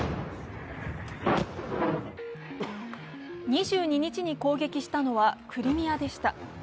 ２２日に攻撃したのはクリミアでした。